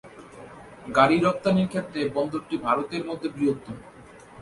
গাড়ি রপ্তানির ক্ষেত্রে বন্দরটি ভারতের মধ্যে বৃহত্তম।